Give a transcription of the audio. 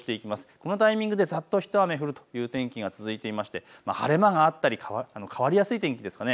このタイミングでざっと一雨降るという天気が続いていて晴れ間があったり変わりやすい天気です。